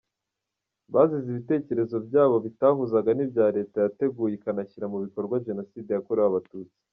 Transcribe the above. Bazize ibitekerezo byabo bitahuzaga n’ibya leta yateguye ikanashyira mu bikorwa Jenoside yakorewe Abatutsi.